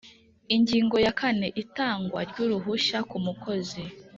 Ingingo ya kane Itangwa ry’uruhushya ku mukozi